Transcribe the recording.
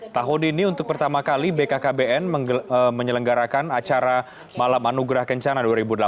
tahun ini untuk pertama kali bkkbn menyelenggarakan acara malam anugerah kencana dua ribu delapan belas